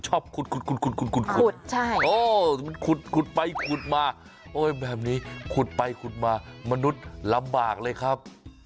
ชอบขุดแบบนี้มันขุดไปขุดมามนุษย์ลำบากเลยครับ